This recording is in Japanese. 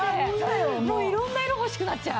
もう色んな色欲しくなっちゃう。